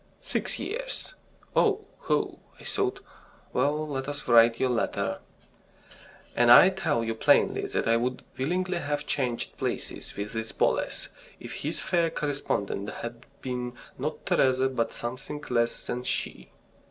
"Six years." "Oh, ho!" I thought. "Well, let us write your letter..." And I tell you plainly that I would willingly have changed places with this Boles if his fair correspondent had been not Teresa but something less than she.